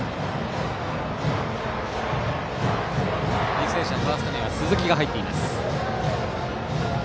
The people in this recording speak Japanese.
履正社のファーストには鈴木が入っています。